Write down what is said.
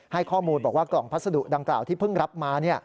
ให้ข้อมูลบอกว่ากล่องพัสดุดังกล่าวที่เพิ่งรับมา